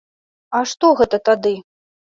А што гэта тады?